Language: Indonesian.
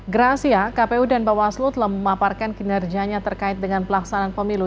grahasia kpu dan bawaslu telah memaparkan kinerjanya terkait dengan pelaksanaan pemilu